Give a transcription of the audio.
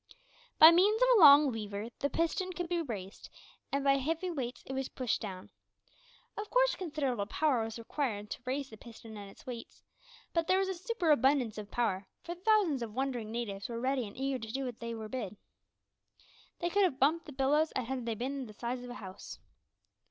By means of a long lever the piston could be raised, and by heavy weights it was pushed down. Of course considerable power was required to raise the piston and its weights, but there was a superabundance of power, for thousands of wondering natives were ready and eager to do whatever they were bid. They could have pumped the bellows had they been the size of a house!